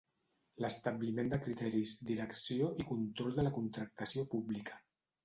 L'establiment de criteris, direcció i control de la contractació pública.